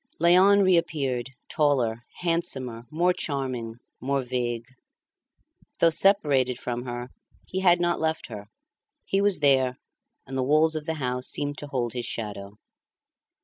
Léon reappeared, taller, handsomer, more charming, more vague. Though separated from her, he had not left her; he was there, and the walls of the house seemed to hold his shadow.